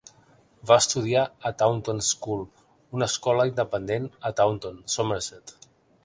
Va estudiar a Taunton School, una escola independent a Taunton, Somerset.